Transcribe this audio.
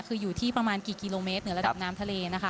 คืออยู่ที่ประมาณกี่กิโลเมตรเหนือระดับน้ำทะเลนะคะ